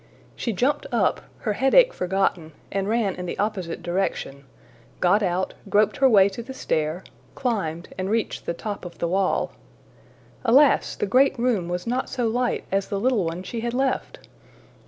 She jumped up, her headache forgotten, and ran in the opposite direction; got out, groped her way to the stair, climbed, and reached the top of the wall. Alas! the great room was not so light as the little one she had left!